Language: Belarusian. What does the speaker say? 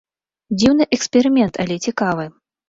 Дзіўны эксперымент, але цікавы.